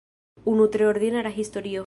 Unu tre ordinara historio.